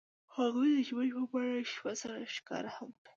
هغوی د ژمنې په بڼه شپه سره ښکاره هم کړه.